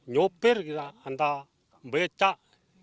nyopir kita hantar becak